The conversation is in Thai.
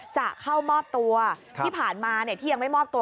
จะเข้ามอบตัวที่ผ่านมาที่ยังไม่มอบตัว